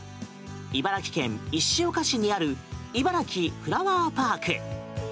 茨城県石岡市にあるいばらきフラワーパーク。